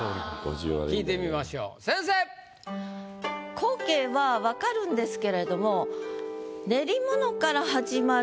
光景は分かるんですけれども「練り物」から始まる